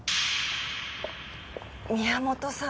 宮本さん